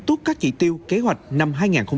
tuốt các chỉ tiêu kế hoạch năm hai nghìn hai mươi ba